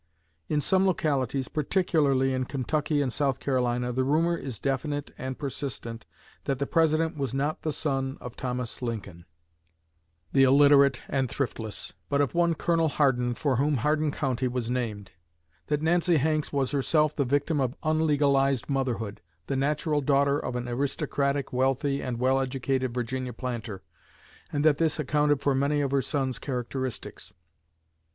In some localities, particularly in Kentucky and South Carolina, the rumor is definite and persistent that the President was not the son of Thomas Lincoln, the illiterate and thriftless, but of one Colonel Hardin for whom Hardin County was named; that Nancy Hanks was herself the victim of unlegalized motherhood, the natural daughter of an aristocratic, wealthy, and well educated Virginia planter, and that this accounted for many of her son's characteristics.